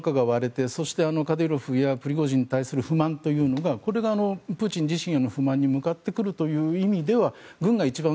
軍の中が割れてカディロフやプリゴジンに対する不満というのがこれがプーチン自身への不満に向かってくるという意味では軍が一番